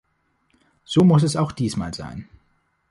So muss es auch diesmal sein.